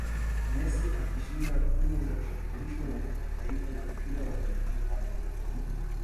Messi akishinda tuzo za shirikisho la kimataifa la mpira wa miguu Ballons dOr